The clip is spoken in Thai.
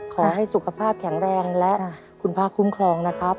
ขอให้สุขภาพแข็งแรงและคุณพระคุ้มครองนะครับ